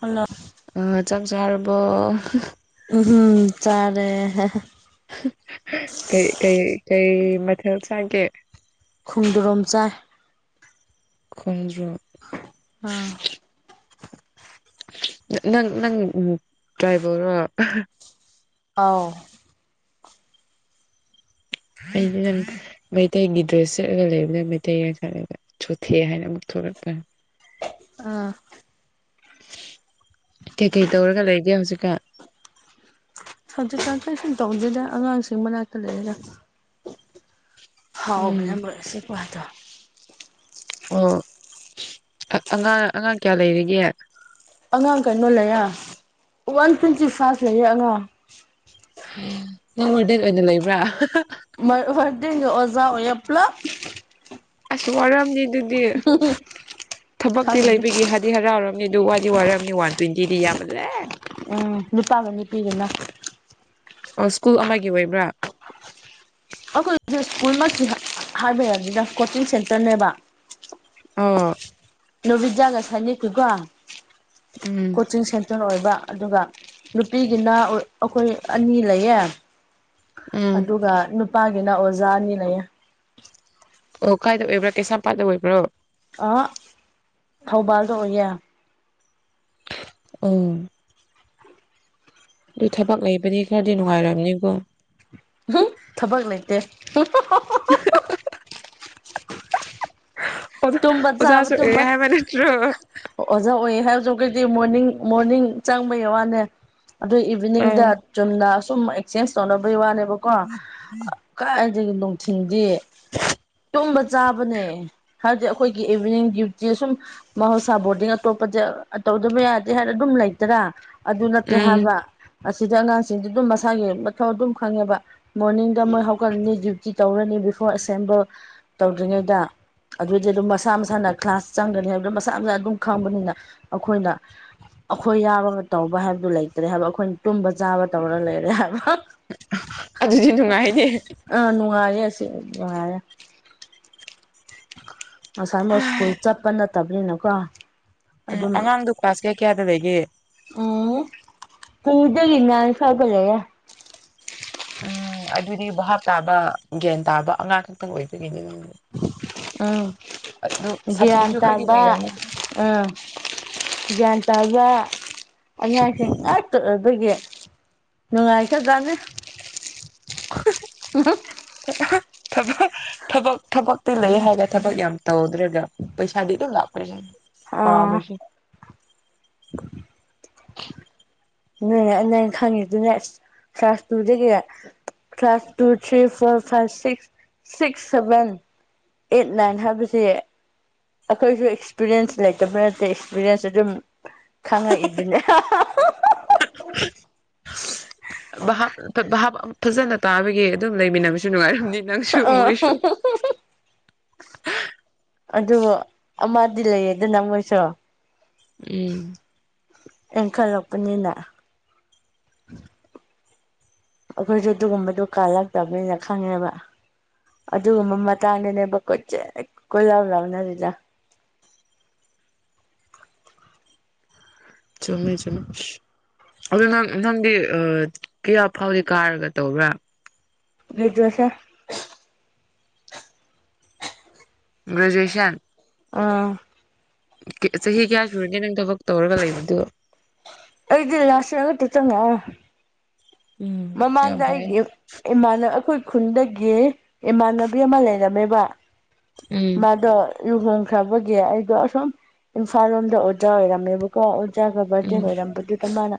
Hello ꯆꯥꯛ ꯆꯥꯔꯕꯣ ꯎꯝ ꯆꯥꯔꯦ ꯀꯩ ꯀꯩ ꯀꯩ ꯃꯊꯦꯜ ꯆꯥꯒꯦ ꯈꯣꯡꯗ꯭ꯔꯣꯝ ꯆꯥꯏ ꯈꯣꯡꯗ꯭ꯨꯔꯝ ꯑꯥ ꯅꯪ ꯅꯪ ꯗ꯭ꯔꯥꯏꯕꯔꯣ ꯑꯥꯎ [unintelligible] ꯃꯩꯇꯩꯒꯤ ꯗ꯭ꯔꯦꯁ ꯁꯦꯠꯂꯒ ꯂꯩꯕꯅꯦ ꯃꯩꯇꯩꯔ ꯈꯜꯂꯒ ꯆꯣꯠꯊꯦ ꯍꯥꯏꯅ ꯑꯃꯨꯛ ꯊꯣꯛꯂꯛꯄ ꯑꯥ ꯀꯩ ꯀꯩ ꯇꯧꯔꯒ ꯂꯩꯒꯦ ꯍꯧꯖꯤꯛꯀꯥ ꯍꯧꯖꯤꯛꯀꯥꯟ ꯀꯩꯁꯨꯝ ꯇꯧꯗꯦꯗ ꯑꯉꯥꯡꯁꯤꯡ ꯃꯅꯥꯛꯇ ꯂꯩꯌꯦꯗ ꯐꯥꯎꯕꯅ ꯎꯝ [unintelligible] ꯑꯣ ꯑꯥ ꯑꯉꯥꯡ ꯑꯉꯥꯡ ꯀꯌꯥ ꯂꯩꯔꯤꯒꯦ ꯑꯉꯥꯡ ꯀꯩꯅꯣ ꯂꯩꯌꯦ ꯋꯥꯟ ꯇ꯭ꯋꯦꯟꯇꯤ ꯐꯥꯏꯚ ꯂꯩꯌꯦ ꯑꯉꯥꯡ ꯅꯪ ꯋꯥꯔꯗꯦꯟ ꯑꯣꯏꯅ ꯂꯩꯕ꯭ꯔꯥ ꯃꯥ ꯋꯥꯔꯗꯦꯟꯒ ꯑꯣꯖꯥ ꯑꯣꯏꯌꯦ ꯄꯨꯂꯞ ꯑꯁ ꯋꯥꯔꯝꯅꯤ ꯑꯗꯨꯗꯤ ꯊꯕꯛꯇꯤ ꯈꯪꯗꯦꯗ ꯂꯩꯕꯒꯤ ꯍꯠ ꯗꯤ ꯍꯔꯥꯎꯔꯝꯅꯤ ꯗꯨ ꯋꯥꯗꯤ ꯋꯥꯔꯝꯅꯤ ꯋꯥꯟ ꯇ꯭ꯋꯦꯟꯇꯤꯗꯤ ꯌꯥꯝꯃꯜꯂꯦ ꯎꯝ ꯅꯨꯄꯥꯒ ꯅꯨꯄꯤꯒꯅ ꯑꯣ ꯁ꯭ꯀꯨꯜ ꯑꯃꯒꯤ ꯑꯣꯏꯕ꯭ꯔꯥ ꯑꯩꯈꯣꯏꯗꯨ ꯁ꯭ꯀꯨꯜꯃꯛꯇꯤ ꯍꯥ ꯍꯥꯏꯕ ꯌꯥꯗꯦꯗ ꯀꯣꯆꯤꯡ ꯁꯦꯟꯇꯔꯅꯦꯕ ꯑꯣ ꯅꯣꯚꯗ꯭ꯌꯥꯒ ꯁꯥꯏꯅꯤꯡꯀꯀꯣ ꯎꯝ ꯀꯣꯆꯤꯡ ꯁꯦꯟꯇꯔ ꯑꯣꯏꯕ ꯑꯗꯨꯒ ꯅꯨꯄꯤꯒꯤꯅ ꯑꯩꯈꯣꯏ ꯑꯅꯤ ꯂꯩꯌꯦ ꯎꯝ ꯑꯗꯨꯒ ꯅꯨꯄꯥꯒꯤꯅ ꯑꯣꯖꯥ ꯑꯅꯤ ꯂꯩꯌꯦ ꯑꯣ ꯀꯥꯏꯗ ꯑꯣꯏꯕ꯭ꯔꯥ ꯀꯩꯁꯥꯝꯄꯥꯠꯇ ꯑꯣꯏꯕ꯭ꯔꯣ ꯑꯍꯥ ꯊꯧꯕꯥꯜꯗ ꯑꯣꯏꯌꯦ ꯑꯣ ꯗꯨ ꯊꯕꯛ ꯂꯩꯕꯗꯤ ꯈꯔꯗꯤ ꯅꯨꯡꯉꯥꯏꯔꯝꯅꯤꯀꯣ ꯊꯕꯛ ꯂꯩꯇꯦ ꯑꯣꯖ ꯇꯨꯝꯕ ꯆꯥꯕ ꯑꯣꯖꯁꯨ ꯑꯣꯏꯌꯦ ꯇꯨꯝꯕ ꯍꯥꯏꯕ ꯅꯠꯇ꯭ꯔꯣ ꯑꯣꯖꯥ ꯑꯣꯏꯌꯦ ꯍꯥꯏꯕꯁꯨ ꯈꯣꯏꯗꯤ ꯃꯣꯔꯅꯤꯡ ꯃꯣꯔꯅꯤꯡ ꯆꯪꯕꯩ ꯋꯥꯅꯦ ꯑꯗꯨ ꯏꯚꯤꯅꯤꯡꯗ ꯎꯝ ꯆꯨꯝꯅ ꯑꯁꯨꯝ ꯑꯦꯛꯆꯦꯟꯁ ꯇꯧꯅꯕꯒꯤ ꯋꯥꯅꯦꯕꯀꯣ ꯀꯥꯏꯗꯒꯤ ꯅꯨꯡꯊꯤꯟꯗꯤ ꯇꯨꯝꯕ ꯆꯥꯕꯅꯦ ꯍꯥꯏꯕꯗꯤ ꯑꯩꯈꯣꯏꯒꯤ ꯏꯚꯤꯅꯤꯡ ꯗ꯭ꯌꯨꯇꯤ ꯁꯨꯝ ꯃꯍꯧꯁꯥ ꯕꯣꯔꯗꯤꯡ ꯑꯇꯣꯞꯄꯗꯤ ꯇꯧꯗꯕ ꯌꯥꯗꯦ ꯍꯥꯏꯔ ꯑꯗꯨꯝ ꯂꯩꯇꯔꯥ ꯑꯗꯨ ꯅꯠꯇꯦ ꯎꯝ ꯍꯥꯏꯕ ꯑꯁꯤꯗ ꯑꯉꯥꯡꯁꯤꯡꯗꯤ ꯗꯨꯝ ꯃꯁꯥꯒꯤ ꯃꯊꯧ ꯗꯨꯝ ꯈꯪꯉꯦꯕ ꯃꯣꯔꯅꯤꯡꯗ ꯃꯣꯏ ꯍꯧꯒꯠꯂꯅꯤ ꯗ꯭ꯌꯨꯇꯤ ꯇꯧꯔꯅꯤ ꯕꯤꯐꯣꯔ ꯑꯦꯁꯦꯝꯕꯜ ꯇꯧꯗ꯭ꯔꯤꯉꯩꯗ ꯑꯗꯨꯗꯤ ꯑꯗꯨꯝ ꯃꯁꯥ ꯃꯁꯥꯅ ꯀ꯭ꯂꯥꯁ ꯆꯪꯒꯅꯤ ꯍꯥꯏꯕꯗꯨ ꯃꯁꯥ ꯃꯁꯥ ꯑꯗꯨꯝ ꯈꯪꯕꯅꯤꯅ ꯑꯩꯈꯣꯏꯅ ꯑꯩꯈꯣꯏ ꯌꯥꯎꯔꯒ ꯇꯧꯕ ꯍꯥꯏꯕꯗꯨ ꯂꯩꯇ꯭ꯔꯦ ꯍꯥꯏꯕ ꯑꯩꯈꯣꯏꯅ ꯇꯨꯝꯕ ꯆꯥꯕ ꯇꯧꯔꯒ ꯂꯩꯔꯦ ꯍꯥꯏꯕ ꯑꯗꯨꯗꯤ ꯅꯨꯡꯉꯥꯏꯅꯤ ꯑꯥ ꯅꯨꯡꯉꯥꯏꯌꯦ ꯑꯁꯤ ꯅꯨꯡꯉꯥꯏꯌꯦ ꯉꯁꯥꯏ ꯃꯣꯏ ꯁ꯭ꯀꯨꯜ ꯎꯝ ꯆꯠꯄ ꯅꯠꯇꯕꯅꯤꯅꯀꯣ ꯎꯝ ꯑꯉꯥꯡꯗꯣ ꯀ꯭ꯂꯥꯁ ꯀꯌꯥ ꯀꯌꯥꯗ ꯂꯩꯒꯦ ꯎꯝ ꯇꯨꯗꯒꯤ ꯅꯥꯏꯟ ꯐꯥꯎꯕ ꯂꯩꯌꯦ ꯎꯝ ꯑꯗꯨꯗꯤ ꯚꯥꯞ ꯇꯥꯕ ꯒ꯭ꯌꯥꯟ ꯇꯥꯕ ꯑꯉꯥꯡ ꯈꯛꯇꯪ ꯑꯣꯏꯕꯒꯤꯅꯦ ꯑꯧ ꯒ꯭ꯌꯥꯟ ꯁꯥꯊꯤꯕꯁꯨ ꯈꯔꯗꯤ ꯇꯥꯕ ꯂꯩꯔꯝꯅꯤ ꯑꯥ ꯒ꯭ꯌꯥꯟ ꯇꯥꯕ ꯑꯉꯥꯡꯁꯤꯡ ꯉꯥꯛꯇ ꯑꯣꯏꯕꯒꯤ ꯅꯨꯡꯉꯥꯏꯈ꯭ꯔꯖꯥꯠꯅꯦ [unintelligible] ꯊꯕꯛ ꯊꯕꯛ ꯊꯕꯛꯇꯤ ꯂꯩꯌꯦ ꯍꯥꯏꯔꯒ ꯊꯕꯛ ꯌꯥꯝ ꯇꯧꯗ꯭ꯔꯦꯒ ꯄꯩꯁꯥꯗꯤ ꯑꯗꯨꯝ ꯂꯥꯛꯄ ꯑꯩꯁꯦ ꯑꯥ ꯄꯥꯝꯃꯦꯁꯤ ꯅꯣꯏ ꯑꯩ ꯅꯩ ꯈꯪꯉꯤꯗꯨꯅꯦ ꯑꯁ ꯀ꯭ꯂꯥꯁ ꯇꯨꯗꯒꯤ class two three four five six six seven eight nine ꯍꯥꯏꯕꯁꯦ ꯑꯩꯈꯣꯏꯁꯨ ꯑꯦꯛꯁꯄꯤꯔꯤꯌꯦꯟꯁ ꯂꯩꯇꯕ ꯅꯠꯇꯦ ꯑꯦꯛꯁꯄꯤꯔꯤꯌꯦꯟꯁ ꯑꯗꯨꯝ ꯈꯪꯉꯛꯏꯗꯨꯅꯦ ꯚꯥꯞ ꯑꯇ ꯚꯥꯞ ꯐꯖꯅ ꯇꯥꯕꯒꯤ ꯑꯗꯨꯝ ꯂꯩꯃꯤꯟꯅꯕꯁꯨ ꯅꯨꯡꯉꯥꯏꯔꯝꯅꯤ ꯅꯪꯁꯨ ꯃꯣꯏꯁꯨ [unintelligible] ꯑꯗꯨꯕꯨ ꯑꯃꯗꯤ ꯂꯩꯌꯦꯗꯅ ꯃꯣꯏꯁꯨ ꯎꯝ ꯏꯟꯈꯠꯂꯛꯄꯅꯤꯅ ꯑꯩꯈꯣꯏꯁꯨ ꯑꯗꯨꯒꯨꯝꯕꯗꯣ ꯀꯥꯜꯂꯛꯇꯕꯅꯤꯅ ꯈꯪꯉꯦꯕ ꯑꯗꯨꯒꯨꯝꯕ ꯃꯇꯥꯡꯗꯨꯅꯦꯕ ꯀꯣꯏꯆꯠ ꯀꯣꯏꯂꯥꯎ ꯂꯥꯎꯅꯔꯤꯗꯣ ꯆꯨꯝꯃꯦ ꯆꯨꯝꯃꯦ ꯑꯗꯣ ꯅꯪ ꯅꯪꯗꯤ ꯑ ꯀ꯭ꯌꯥ ꯐꯥꯎꯗꯤ ꯀꯥꯔꯒ ꯇꯧꯕ꯭ꯔꯥ ꯒ꯭ꯔꯦꯖꯨꯌꯦꯁꯔ ꯒ꯭ꯔꯦꯖꯨꯌꯦꯁꯟ ꯑꯥ ꯀ ꯆꯍꯤ ꯀ꯭꯭ꯌꯥ ꯁꯨꯨꯔꯒꯦ ꯅꯪ ꯊꯕꯛ ꯇꯧꯔꯒ ꯂꯩꯕꯗꯨ ꯑꯩꯗꯤ ꯂꯥꯁ ꯏꯌꯔ ꯈꯛꯇ ꯆꯪꯃꯛꯑꯦ ꯎꯝ ꯌꯥꯝ ꯃꯃꯥꯡꯗ ꯐꯔꯦ ꯑꯩꯒꯤ ꯏ ꯏꯃꯥꯟ ꯑꯩꯈꯣꯏ ꯈꯨꯟꯗꯒꯤ ꯏꯃꯥꯟꯅꯕꯤ ꯑꯃ ꯂꯩꯔꯝꯃꯦꯕ ꯎꯝ ꯃꯥꯗꯣ ꯂꯨꯍꯣꯡꯈ꯭ꯔꯕꯒꯤ ꯑꯩꯗꯣ ꯑꯁꯨꯝ ꯏꯝꯐꯥꯜ ꯂꯣꯝꯗ ꯑꯣꯖꯥ ꯑꯣꯏꯔꯝꯃꯦꯕꯀꯣ ꯏꯆꯥꯒ ꯎꯝ ꯕꯥꯔꯗꯦꯟ ꯑꯣꯏꯔꯝꯕꯗꯨꯗ ꯃꯥꯅ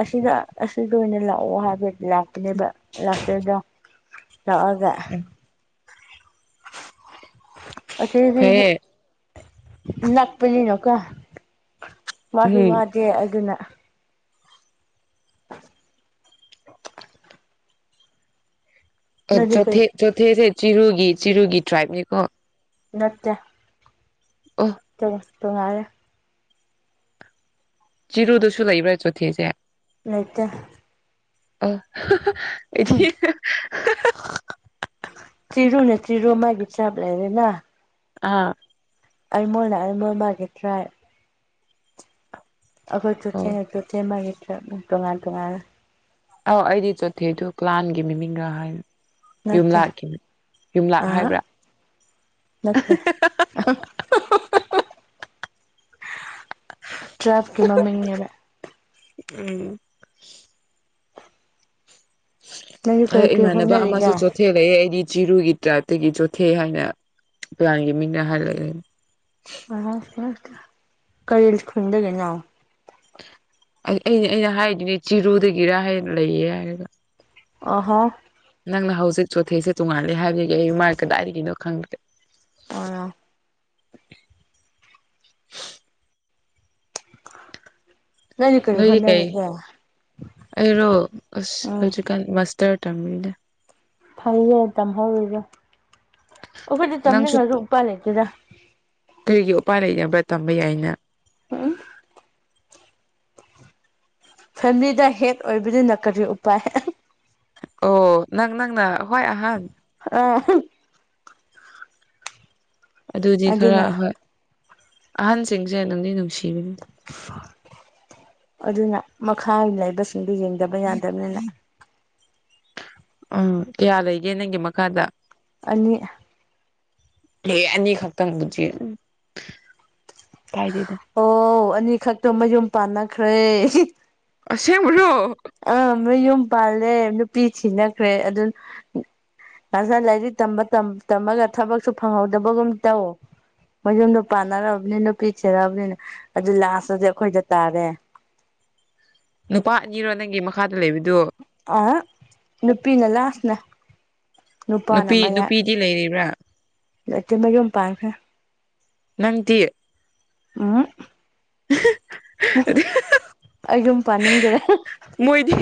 ꯑꯁꯤꯗ ꯑꯁꯤꯗ ꯑꯣꯏꯅ ꯂꯥꯛꯑꯣ ꯍꯥꯏꯕ ꯂꯥꯛꯀꯅꯦꯕ ꯂꯥꯛꯇꯗ ꯂꯥꯛꯑꯒ ꯎꯝ ꯑꯁꯤꯖꯤꯖꯨ ꯐꯩꯌꯦ ꯅꯛꯄꯅꯤꯅ ꯀꯣ ꯃꯥꯖꯨ ꯎꯝ ꯋꯥꯗꯦ ꯑꯗꯨꯅ [inaudible] ꯑꯦ ꯅꯪꯗꯤ ꯀꯩ ꯆꯣꯊꯦ ꯆꯣꯊꯦꯁꯦ ꯆꯤꯔꯨꯒꯤ ꯆꯤꯔꯨꯒꯤ ꯇ꯭ꯔꯥꯏꯕꯅꯤꯀꯣ ꯅꯠꯇꯦ ꯑꯣ [unintelligible] ꯇꯨꯉꯥꯏꯔꯦ ꯆꯤꯔꯨꯗꯁꯨ ꯂꯩꯕ꯭ꯔꯥ ꯆꯣꯊꯦꯖꯦ ꯂꯩꯇꯦ ꯑꯦ [unintelligible] ꯆꯤꯔꯨꯅ ꯆꯤꯔꯨ ꯃꯥꯒꯤ ꯇꯥꯏꯕ ꯂꯩꯔꯦꯅ ꯑꯥ ꯑꯩꯃꯣꯟꯅ ꯑꯩꯃꯣꯟ ꯃꯥꯒꯤ ꯇ꯭ꯔꯥꯏꯕ ꯑꯈꯣꯏ ꯑꯣ ꯆꯣꯊꯦ ꯆꯣꯊꯦ ꯃꯥꯒꯤ ꯇ꯭ꯔꯥꯏꯕꯅꯦ ꯇꯣꯉꯥꯟ ꯇꯉꯥꯟꯂꯦ ꯑꯥꯎ ꯑꯩꯗꯤ ꯆꯣꯊꯦꯗꯣ ꯀ꯭ꯂꯥꯟꯒꯤ ꯃꯤꯃꯤꯡꯒ ꯍꯥꯏꯅꯤ ꯅꯠꯇꯦ ꯌꯨꯝꯂꯥꯛꯀꯤꯅꯤ ꯌꯨꯝꯂꯥꯛ ꯑꯥ ꯍꯥꯏꯕ꯭ꯔꯥ ꯅꯠꯇꯦ ꯇ꯭ꯔꯥꯏꯞꯀꯤ ꯃꯃꯤꯡꯅꯦꯕ ꯎꯝ ꯅꯪꯗꯤ ꯀꯔꯤ ꯑꯩ ꯀꯔꯤ ꯏꯃꯥꯟꯅꯕ ꯑꯃꯁꯨ ꯍꯣꯠꯅꯔꯤꯒꯦ ꯆꯣ ꯊꯦꯛꯂꯛꯑꯦ ꯑꯩꯗꯤ ꯆꯤꯔꯨꯒꯤ ꯇ꯭ꯔꯥꯏꯞꯇꯒꯤ ꯆꯣꯊꯦ ꯍꯥꯏꯅ ꯄꯤꯌꯂꯤꯒꯤ ꯃꯤꯡꯅ ꯍꯥꯏꯂꯛꯑꯦ ꯀꯔꯤ ꯈꯨꯟꯗꯒꯤꯅꯣ ꯑꯩ ꯑꯩꯅ ꯑꯩꯅ ꯍꯥꯏꯗꯨꯅꯤ ꯆꯤꯔꯨꯗꯒꯤꯔ ꯍꯥꯏ ꯂꯩꯌꯦ ꯍꯥꯏꯔꯒ ꯑꯣꯍꯣ ꯅꯪꯅ ꯍꯧꯖꯤꯛ ꯆꯣꯠꯊꯦꯁꯦ ꯇꯣꯡꯉꯥꯂꯦ ꯍꯥꯏꯕꯗꯒꯤ ꯑꯩ ꯃꯥꯏ ꯀꯗꯥꯏꯒꯤꯅꯣ ꯈꯪꯗ꯭ꯔꯦ [unintelligible] [inaudible] ꯀꯔꯤ ꯅꯣꯏꯗꯤ ꯀꯩ ꯍꯣꯠꯅꯔꯤꯒꯦ ꯑꯩꯔꯣ ꯑꯁ ꯎꯝ ꯍꯧꯖꯤꯛꯀꯥꯟ ꯃꯥꯁꯇꯔ ꯇꯝꯃꯤꯗ ꯐꯩꯌꯦ ꯇꯝꯍꯧꯔꯤꯗ ꯑꯈꯣꯏꯗꯤ ꯇꯝꯅꯤꯡꯉꯁꯨ ꯎꯄꯥꯥꯏ ꯂꯩꯇꯦꯗ ꯀꯩꯒꯤ ꯎꯄꯥꯏ ꯂꯩꯇꯕ꯭ꯔꯥ ꯇꯝꯕ ꯌꯥꯏꯅ [unintelligible] ꯐꯦꯝꯂꯤꯗ ꯍꯦꯠ ꯑꯣꯏꯕꯅꯤꯅ ꯀꯔꯤ ꯎꯄꯥꯏ ꯑꯣ ꯅꯪ ꯅꯪꯅ ꯈꯋꯥ꯭ꯏ ꯑꯍꯟ ꯑ ꯑꯗꯨꯗꯤ ꯈꯔ ꯑꯗꯨꯅ ꯍꯣꯏ ꯑꯍꯟꯁꯤꯡꯁꯦ ꯅꯨꯡꯗꯤ ꯅꯨꯡꯁꯤꯕꯅꯤ ꯑꯗꯨꯅ ꯃꯈꯥ ꯂꯩꯕꯁꯤꯡꯗꯨ ꯌꯦꯡꯗꯕ ꯌꯥꯗꯕꯅꯤꯅ ꯎꯝ ꯀꯌꯥ ꯂꯩꯒꯦ ꯅꯪꯒꯤ ꯃꯈꯥꯗ ꯑꯅꯤ ꯑꯦ ꯑꯅꯤꯈꯛꯇꯪꯕꯨꯖꯤ ꯀꯥꯏꯗꯦꯗ ꯑꯣ ꯑꯅꯤꯈꯛꯇꯣ ꯃꯌꯨꯝ ꯄꯥꯟꯅꯈ꯭ꯔꯦ ꯑꯁꯦꯡꯕꯔꯣ ꯑꯥ ꯃꯌꯨꯝ ꯄꯥꯜꯂꯦ ꯅꯨꯄꯤ ꯊꯤꯅꯈ꯭ꯔꯦ ꯑꯗꯨ ꯐꯖ ꯂꯥꯏꯔꯤꯛ ꯇꯝꯃ ꯇꯝ ꯇꯝꯃꯒ ꯊꯕꯛꯁꯨ ꯐꯪꯍꯧꯗꯕꯒꯨꯝ ꯇꯧ ꯃꯌꯨꯝꯗꯣ ꯄꯥꯥꯟꯅꯔꯅꯤ ꯅꯨꯄꯤ ꯊꯤꯔꯕꯅꯤꯅ ꯑꯗꯨ ꯂꯥꯁꯇꯗꯤ ꯑꯈꯣꯏꯗ ꯇꯥꯔꯦ ꯅꯨꯄꯥ ꯑꯅꯤꯔꯣ ꯅꯪꯒꯤ ꯃꯈꯥꯗ ꯂꯩꯕꯗꯨ ꯑꯍ ꯅꯨꯄꯤꯅ ꯂꯥꯁꯅꯦ ꯅꯨꯄꯤ ꯅꯨꯄꯤꯗꯤ ꯂꯩꯔꯤꯕ꯭ꯔꯥ ꯂꯩꯇꯦ ꯃꯌꯨꯝ ꯄꯥꯟꯈ꯭ꯔꯦ ꯅꯪꯗꯤ ꯎꯝ ꯑꯩ ꯌꯨꯝ ꯄꯥꯅꯤꯡꯗ꯭ꯔꯦ ꯃꯣꯏꯗꯤ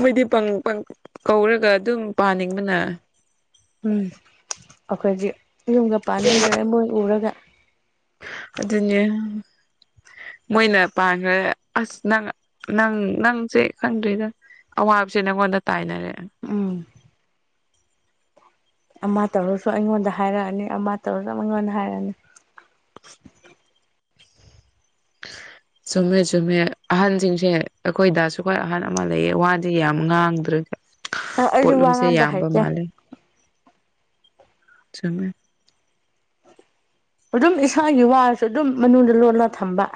ꯃꯣꯏꯗꯤ ꯄꯪ ꯄꯪ ꯀꯧꯔꯒ ꯑꯗꯨꯝ ꯄꯥꯅꯤꯡꯕꯅ ꯎꯝ ꯑꯈꯣꯏꯗꯤ ꯌꯨꯝꯒ ꯄꯥꯟꯅꯤꯡꯗꯔꯦ ꯃꯣꯏ ꯎꯔꯒ ꯑꯗꯨꯅꯤ ꯃꯣꯏꯅ ꯄꯥꯟꯈ꯭ꯔꯦ ꯑꯁ ꯅꯪ ꯅꯪ ꯅꯪꯁꯦ ꯈꯪꯗ꯭ꯔꯦꯗ ꯑꯋꯥꯕꯕꯁꯦ ꯅꯪꯉꯣꯟꯗ ꯇꯥꯏꯅꯔꯦ ꯎꯝ ꯑꯃ ꯇꯧꯔꯁꯨ ꯑꯩꯉꯣꯟꯗ ꯍꯥꯏꯔꯛꯑꯅꯤ ꯑꯃ ꯇꯧꯔꯁꯨ ꯑꯩꯉꯣꯟꯗ ꯍꯥꯏꯔꯛꯑꯅꯤ [inaudible] ꯆꯨꯝꯃꯦ ꯆꯨꯝꯃꯦ ꯑꯍꯟꯁꯤꯡꯁꯦ ꯑꯩꯈꯣꯏꯗꯁꯨꯈꯣꯏ ꯑꯍꯟ ꯑꯃ ꯂꯩꯌꯦ ꯋꯥꯗꯤ ꯌꯥꯝ ꯉꯥꯡꯗ꯭ꯔꯦ ꯑꯩꯁꯨ ꯋꯥ ꯄꯣꯠꯂꯨꯝꯁꯦ ꯉꯥꯡꯕ ꯌꯥꯝꯕ ꯍꯩꯇꯦ ꯃꯥꯜꯂꯦ ꯆꯨꯝꯃꯦ ꯑꯗꯨꯝ ꯏꯁꯥꯒꯤ ꯋꯥꯔꯁꯨ ꯑꯗꯨꯝ ꯃꯅꯨꯡꯗ ꯂꯣꯜꯂ ꯊꯝꯕ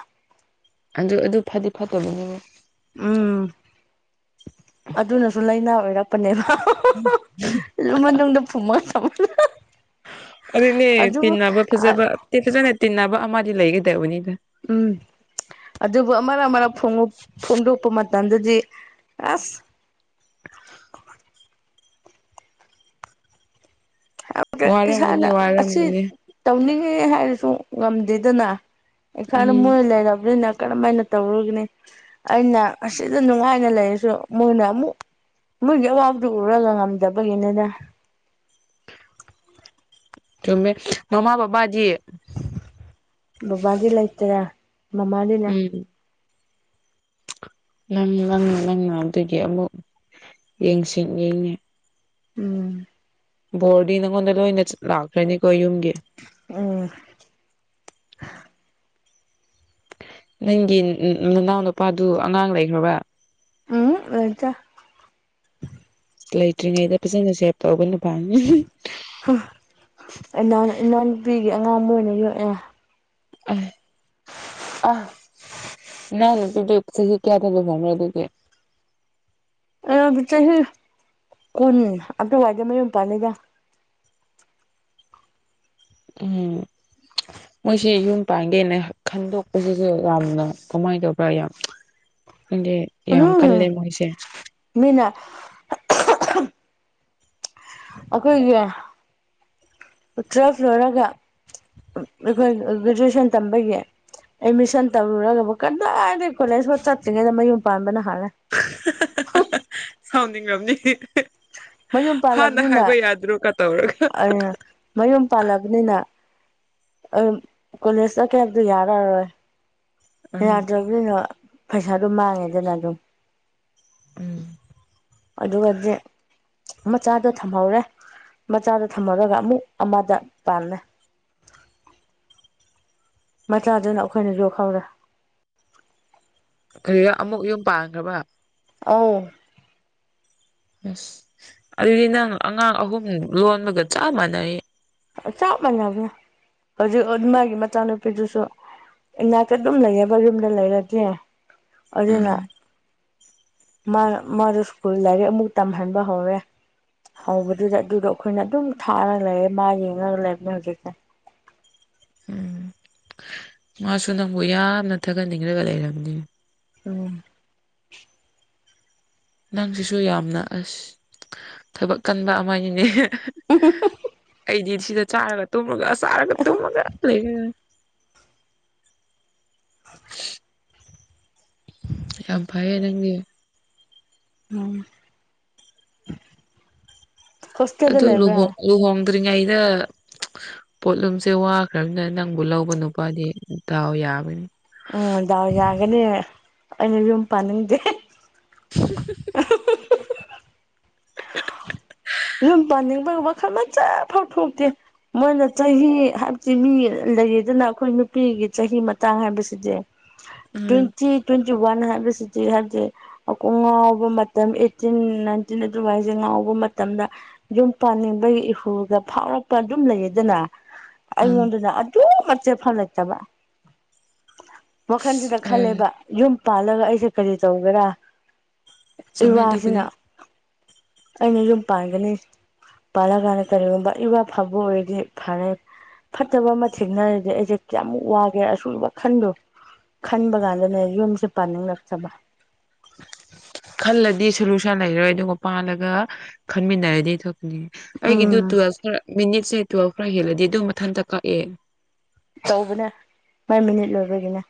ꯑꯗꯨ ꯑꯗꯨ ꯐꯗꯤ ꯐꯠꯇꯕꯅꯤꯅꯦ ꯎꯝ ꯑꯗꯨꯅꯁꯨ ꯂꯥꯏꯅꯥ ꯑꯣꯏꯔꯞ ꯄꯂꯦꯕ [unintelligible] ꯃꯅꯨꯡꯗ ꯐꯨꯃ ꯊꯝ [unintelligible] ꯑꯗꯨꯅꯦ ꯇꯤꯟꯅꯕ ꯐꯖꯥꯕ ꯐꯖꯅꯥ ꯇꯤꯟꯅꯕ ꯑꯃꯗꯤ ꯂꯩꯒꯗꯧꯕꯅꯤꯗ ꯎꯝ꯫ ꯑꯗꯨꯕꯨ ꯑꯃꯔꯛ ꯑꯃꯔꯛ ꯐꯣꯡꯗꯣꯛ ꯐꯣꯡꯗꯣꯛꯄ ꯃꯇꯝꯗꯗꯤ ꯑꯁ ꯒ ꯏꯁꯥꯅ ꯋꯥꯔꯝꯒꯅꯤ ꯑꯁꯤ ꯋꯥꯔꯝꯒꯅꯤ ꯇꯧꯅꯤꯡꯉꯤ ꯍꯥꯏꯔꯁꯨ ꯉꯝꯗꯦꯗꯅ ꯏꯁꯥꯗ ꯎꯝ ꯃꯣꯏ ꯂꯩꯔꯕꯅꯤꯅ ꯀꯔꯝꯃꯥꯏꯅ ꯇꯧꯔꯒꯨꯅꯤ ꯑꯩꯅ ꯑꯁꯤꯗ ꯅꯨꯡꯉꯥꯏꯅ ꯂꯩꯔꯁꯨ ꯃꯣꯏꯅ ꯑꯃꯨꯛ ꯃꯣꯏꯒꯤ ꯑꯋꯥꯕꯗꯨ ꯎꯔꯒ ꯉꯝꯗꯕꯒꯤꯅꯤꯅꯦ ꯆꯨꯝꯃꯦ ꯃꯃꯥ ꯕꯕꯥꯗꯤ ꯕꯕꯥꯗꯤ ꯂꯩꯇ꯭ꯔꯦ ꯃꯃꯥꯗꯤ ꯂꯩ ꯎꯝ ꯅꯪ ꯅꯪ ꯅꯪꯅ ꯑꯗꯨꯒꯤ ꯑꯃꯨꯛ ꯌꯦꯡꯁꯤ ꯌꯦꯡꯉꯦ ꯎꯝ꯫ ꯕꯣꯔꯗꯤ ꯅꯪꯉꯣꯟꯗ ꯂꯣꯏꯅ ꯆꯠ ꯂꯥꯛꯇꯣꯢꯅꯤꯀꯣ ꯌꯨꯝꯒꯤ ꯎꯝ꯫ ꯅꯪꯒꯤ ꯅꯅꯥꯎ ꯅꯨꯄꯥꯗꯨ ꯑꯉꯥꯡ ꯂꯩꯈ꯭ꯔꯥꯕ꯭ꯔꯥ ꯎꯝ ꯂꯩꯇꯦ ꯂꯩꯇ꯭ꯔꯤꯉꯩꯗ ꯐꯖꯅꯥ ꯁꯦꯞ ꯇꯧꯕ ꯅꯨꯄꯥꯅꯤ ꯍꯥ ꯏꯅꯥꯎ ꯏꯅꯥꯎꯅꯨꯄꯤꯒꯤ ꯑꯉꯥꯡ ꯑꯃ ꯑꯣꯏꯅ ꯌꯣꯛꯑꯦ ꯑꯥꯏ ꯑꯥ ꯏꯅꯥꯎ ꯅꯨꯄꯤꯗꯨ ꯆꯍꯤ ꯀꯌꯥꯗ ꯂꯨꯍꯣꯡꯔꯦ ꯑꯗꯨꯗꯤ ꯑꯌꯥꯝꯗ ꯆꯍꯤ ꯀꯨꯟ ꯑꯗꯨꯋꯥꯏꯗ ꯃꯌꯨꯝ ꯄꯥꯜꯂꯤꯗ ꯎꯝ꯫ ꯃꯣꯏꯁꯤ ꯌꯨꯝ ꯄꯥꯟꯒꯦꯅ ꯈꯟꯗꯣꯛꯄꯗꯁꯨ ꯌꯥꯝꯅ ꯀꯃꯥꯏ ꯇꯧꯕ꯭ꯔꯥ ꯌꯥꯝ ꯈꯪꯗꯦ ꯌꯥꯝ ꯀꯜꯂꯦ ꯃꯣꯏꯁꯦ ꯃꯤꯅꯥ ꯑꯩꯈꯣꯏꯒꯤ ꯎꯇ꯭ꯔꯥꯐ ꯂꯣꯏꯔꯒ ꯑꯈꫭꯏꯒꯤ ꯒ꯭ꯔꯥꯖꯨꯑꯦꯁꯟ ꯇꯝꯕꯒꯤ ꯑꯦꯗꯃꯤꯁꯟ ꯇꯧꯔꯨꯔꯒꯕꯨ ꯀꯗꯥꯏꯗꯒꯤ ꯀꯣꯂꯦꯖ ꯐꯥꯎ ꯆꯠꯇ꯭ꯔꯤꯉꯩꯗ ꯃꯌꯨꯝ ꯄꯥꯟꯕꯅ ꯍꯥꯜꯂꯦ ꯍꯨꯝ ꯁꯥꯎꯅꯤꯡꯉꯕꯅꯤ ꯃꯌꯨꯝ ꯍꯥꯟꯅ ꯄꯥꯜꯂꯕꯅꯤꯅ ꯍꯥꯏꯕ ꯌꯥꯗ꯭ꯔꯣꯒ ꯇꯧꯔꯒ ꯃꯌꯨꯝ ꯄꯜꯂꯥꯕꯅꯤꯅ ꯑꯥꯝ ꯀꯣꯂꯦꯖ ꯆꯠꯀꯦ ꯍꯥꯏꯕꯗꯨ ꯌꯥꯔꯔꯣꯏ ꯎꯝ ꯌꯥꯗ꯭ꯔꯥꯕꯅꯤꯅ ꯄꯩꯁꯥꯗꯣ ꯃꯥꯡꯉꯦꯗꯅ ꯑꯗꯨꯝ ꯎꯝ ꯑꯗꯨꯒꯗꯤ ꯃꯆꯥꯗꯣ ꯊꯝꯍꯧꯔꯦ ꯃꯆꯥꯗꯣ ꯊꯝꯍꯧꯔꯒ ꯑꯃꯨꯛ ꯑꯃꯗ ꯄꯥꯜꯂꯦ ꯃꯆꯥꯗꯨꯅ ꯑꯩꯈꯣꯏꯅ ꯌꯣꯛꯍꯧꯔꯦ ꯀꯔꯤꯔ ꯑꯃꯨꯛ ꯌꯨꯝ ꯄꯥꯟꯈ꯭ꯔꯥꯕ ꯑꯥꯎ ꯑꯁ ꯑꯗꯨꯗꯤ ꯅꯪ ꯑꯉꯥꯡ ꯑꯍꯨꯝ ꯂꯣꯟꯕꯒ ꯆꯞ ꯃꯥꯟꯅꯔꯦ ꯆꯞ ꯃꯥꯟꯅꯕꯅꯦ ꯍꯧꯖꯤꯛ ꯃꯥꯒꯤ ꯃꯆꯥꯅꯨꯄꯤꯗꯨꯁꯨ ꯏꯅꯥꯛꯇ ꯑꯗꯨꯝ ꯂꯩꯌꯦꯕ ꯌꯨꯝꯗ ꯂꯩꯔꯗꯤ ꯑꯗꯨꯅ ꯎꯝ ꯃꯥ ꯃꯥꯗꯣ ꯁ꯭ꯀꯨꯜ ꯂꯥꯏꯔꯤꯛ ꯑꯃꯨꯛ ꯇꯝꯍꯟꯕ ꯍꯧꯔꯦ ꯍꯧꯕꯗꯨꯗ ꯑꯗꯨꯗꯣ ꯑꯩꯈꯣꯏꯅ ꯑꯗꯨꯝ ꯊꯥꯔꯒ ꯂꯩꯔꯦ ꯃꯥ ꯌꯦꯡꯉꯒ ꯂꯩꯕꯅꯦ ꯍꯧꯖꯤꯛꯁꯦ ꯎꯝ ꯃꯥꯁꯨ ꯅꯪꯕꯨ ꯌꯥꯝꯅ ꯊꯥꯒꯠꯅꯤꯡꯂꯒ ꯂꯩꯔꯕꯅꯤ ꯎꯝ꯫ ꯅꯪꯁꯤꯁꯨ ꯌꯥꯝꯅ ꯑꯁ ꯊꯕꯛ ꯀꯟꯕ ꯑꯃꯅꯤꯅꯦ [inaudible] ꯑꯩꯗꯤ ꯁꯤꯗ ꯆꯥꯔꯒ ꯇꯨꯝꯃꯒ ꯑꯁ ꯆꯥꯔꯒ ꯇꯨꯝꯃꯒ ꯂꯩꯕ ꯅꯨꯡꯉꯥꯏ [inaudible] ꯌꯥꯝ ꯐꯩꯌꯦ ꯅꯪꯗꯤ꯫ ꯎꯝ ꯍꯣꯁꯇꯦꯜꯗ ꯑꯗꯨ ꯂꯨꯍꯣꯡ ꯂꯩꯕ꯭ꯔꯥ ꯂꯨꯍꯣꯡꯗ꯭ꯔꯤꯉꯩꯗ꯫ ꯄꯣꯠꯂꯨꯝꯁꯦ ꯋꯥꯈ꯭ꯔꯕꯅꯤꯅ ꯅꯪꯕꯨ ꯂꯧꯕ ꯅꯨꯄꯥꯗꯤ ꯗꯥꯥꯎ ꯌꯥꯕꯅꯤ꯫ ꯎꯝ ꯗꯥꯎ ꯌꯥꯒꯅꯤ꯫ ꯑꯩꯅ ꯌꯨꯝ ꯄꯥꯅꯤꯡꯗꯦ꯫ [inaudible] ꯌꯨꯝ ꯄꯥꯅꯤꯡꯕꯒꯤ ꯋꯥꯈꯜ ꯃꯆꯦꯠ ꯐꯥꯎ ꯊꯣꯛꯇꯦ꯫ ꯃꯣꯏꯅ ꯆꯍꯤ ꯍꯥꯏꯕꯗꯤ ꯃꯤ ꯂꯩꯔꯤꯗꯅ ꯑꯩꯈꯣꯏ ꯅꯨꯄꯤꯒꯤ ꯆꯍꯤ ꯃꯇꯥꯡ ꯍꯥꯏꯕꯁꯤꯗꯤ꯫ ꯎꯝ ꯇ꯭ꯋꯦꯟꯇꯤ ꯇ꯭ꯋꯦꯟꯇꯤ ꯋꯥꯟ ꯍꯥꯏꯕꯁꯤꯗꯤ ꯍꯥꯏꯕꯗꯤ ꯑꯀꯣ ꯉꯥꯎꯕ ꯃꯇꯝ ꯑꯩꯠꯇꯤꯟ ꯅꯥꯏꯟꯇꯤꯟ ꯑꯗꯨꯋꯥꯏꯁꯦ ꯉꯥꯎꯕ ꯃꯇꯝꯗ ꯌꯨꯝ ꯄꯥꯅꯤꯡꯕꯒꯤ ꯏꯍꯨꯜ ꯐꯥꯎꯔꯛꯄ ꯑꯗꯨꯝ ꯂꯩꯌꯦꯗꯅ꯫ ꯎꯝ ꯑꯩꯉꯣꯟꯗꯅ ꯑꯗꯨ ꯃꯆꯦꯠ ꯐꯥꯎ ꯂꯩꯇꯕ꯫ ꯋꯥꯈꯟꯁꯤꯗ ꯑꯦ ꯈꯜꯂꯦꯕ ꯌꯨꯝ ꯄꯥꯜꯂꯒ ꯑꯩꯁꯦ ꯀꯔꯤ ꯇꯧꯒꯦꯔꯥ꯫ ꯆꯨꯝꯃꯦ ꯑꯗꯨꯕꯨꯗꯤ ꯏꯋꯥꯁꯤꯅ ꯑꯩꯅ ꯌꯨꯝ ꯄꯥꯟꯒꯅꯤ ꯄꯥꯜꯂ ꯀꯥꯟꯗ ꯀꯔꯤꯒꯨꯝꯕ ꯏꯋꯥ ꯐꯕ ꯑꯣꯏꯔꯗꯤ ꯐꯔꯦ ꯐꯠꯇꯕ ꯑꯃ ꯊꯦꯡꯅꯔꯗꯤ ꯑꯩꯁꯦ ꯀꯌꯥꯃꯨꯛ ꯋꯥꯒꯦꯔ ꯑꯁꯨꯝꯕ ꯈꯟꯕꯗꯣ ꯈꯟꯕ ꯀꯥꯟꯗꯅꯦ ꯌꯨꯝꯁꯦ ꯄꯥꯟꯅꯤꯡꯂꯛꯇꯕ꯫ [inaudible] ꯈꯜꯂꯗꯤ ꯁꯣꯂꯨꯁꯟ ꯂꯩꯔꯣꯏ ꯑꯗꯨꯒ ꯄꯥꯜꯂꯒ ꯈꯟꯃꯤꯟꯅꯔꯗꯤ ꯊꯣꯛꯀꯅꯤ꯫ ꯑꯩꯒꯤꯗꯨ ꯎꯝ ꯇꯨꯋꯦꯜꯐ ꯈꯔ ꯃꯤꯅꯤꯠꯁꯦ ꯇꯨꯋꯜꯐ ꯈꯔ ꯍꯦꯜꯂꯗꯤ ꯑꯗꯨꯝ ꯃꯊꯟꯇ ꯀꯛꯑꯦ꯫ ꯇꯧꯕꯅꯦ ꯃꯣꯏ ꯃꯤꯅꯤꯠ ꯂꯣꯏꯕꯒꯤꯅꯦ꯫